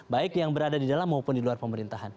baik yang berada di dalam maupun di luar pemerintahan